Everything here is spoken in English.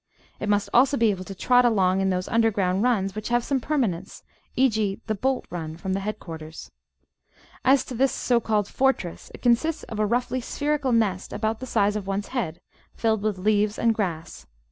It must also be able to trot along in those imderground runs which have some per manence, e.g. the "bolt run" from the headquarters. As to this so called "fortress," it consists of a roughly spherical nest about the size of one's head, filled with leaves and grass.